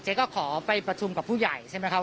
ก็ขอไปประชุมกับผู้ใหญ่ใช่ไหมครับ